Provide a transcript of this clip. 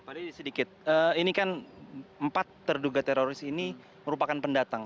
pak dedy sedikit ini kan empat terduga teroris ini merupakan pendatang